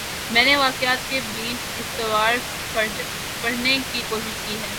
میں نے واقعات کے بین السطور پڑھنے کی کوشش کی ہے۔